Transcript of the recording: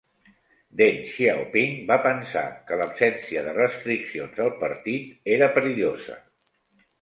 Deng Xiaoping va pensar que l"absència de restriccions al Partit era perillosa.